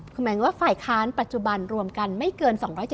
คือหมายถึงว่าฝ่ายค้านปัจจุบันรวมกันไม่เกิน๒๗